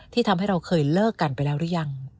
ทำให้เราเคยเลิกกันไปแล้วหรือยัง